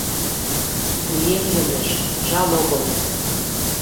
Вуем йомеш — жал огыл